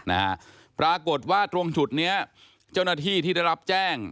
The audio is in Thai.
นะฮะปรากฏว่าตรงจุดเนี้ยเจ้าหน้าที่ที่ได้รับแจ้ง